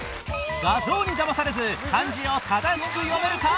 画像にだまされず漢字を正しく読めるか？